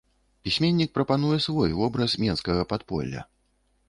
Пісьменнік прапануе свой вобраз менскага падполля.